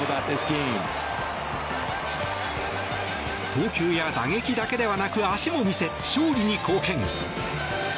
投球や打撃だけではなく足も見せ、勝利に貢献。